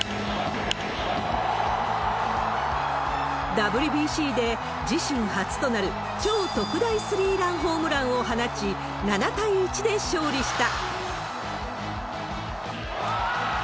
ＷＢＣで自身初となる超特大スリーランホームランを放ち、７対１で勝利した。